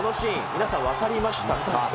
皆さん分かりましたか。